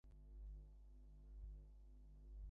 এ দায়িত্ব সে মানিবে না, এত কিসের নীতিজ্ঞান?